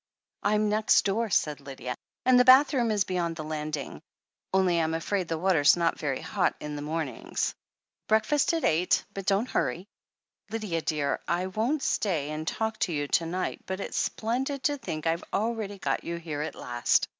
"I'm next door," said Nathalie, "and the bathroom is beyond the landing — only Tm afraid the water's not very hot in the mornings. Breakfast at eight, but don't hurry; Lydia, dear, I won't stay and talk to you to night, but it's splendid to think I've really got you here at last."